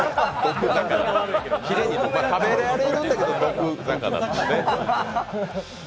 食べられるんだけど毒が、ただ。